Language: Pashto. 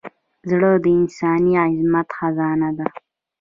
زړه د انساني عظمت خزانه ده.